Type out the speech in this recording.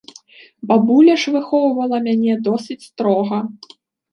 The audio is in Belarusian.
Бабуля ж выхоўвала мяне досыць строга.